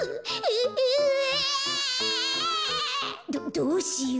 どどうしよう。